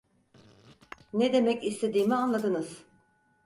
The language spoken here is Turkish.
Ne demek istediğimi anladınız.